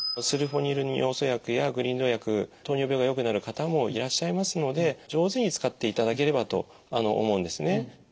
スルホニル尿素薬やグリニド薬糖尿病が良くなる方もいらっしゃいますので上手に使っていただければと思うんですね。